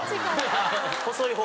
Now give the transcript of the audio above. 細い方。